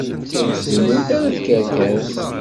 Ur ttdumunt ara tkerkas.